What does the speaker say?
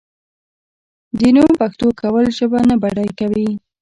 د نوم پښتو کول ژبه نه بډای کوي.